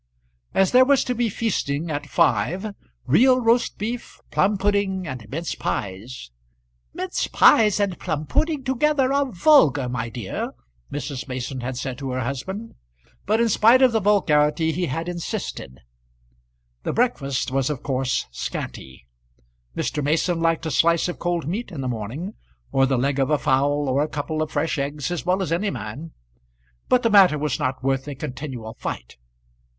As there was to be feasting at five, real roast beef, plum pudding and mince pies; "Mince pies and plum pudding together are vulgar, my dear," Mrs. Mason had said to her husband; but in spite of the vulgarity he had insisted; the breakfast was of course scanty. Mr. Mason liked a slice of cold meat in the morning, or the leg of a fowl, or a couple of fresh eggs as well as any man; but the matter was not worth a continual fight.